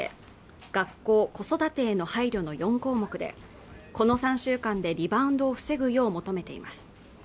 学校子育てへの配慮の４項目でこの３週間でリバウンドを防ぐよう求めています